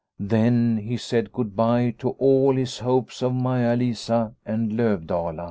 Then he said good bye to all his hopes of Maia Lisa and Lovdala.